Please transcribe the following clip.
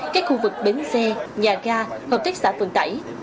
các khu vực bến xe nhà ga hợp tác xã vận tải